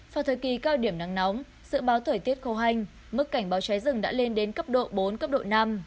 vào thời kỳ cao điểm nắng nóng dự báo thời tiết khô hanh mức cảnh báo trái rừng đã lên đến cấp độ bốn cấp độ năm